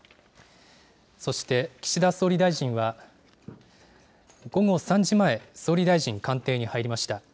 そして、岸田総理大臣は午後３時前、総理大臣官邸に入りました。